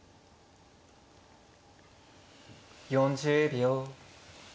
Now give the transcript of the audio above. ４０秒。